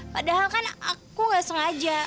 padahal kan aku gak sengaja